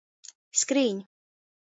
Skrīņ!